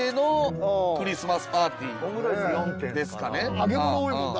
揚げ物多いもんな。